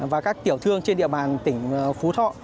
và các tiểu thương trên địa bàn tỉnh phú thọ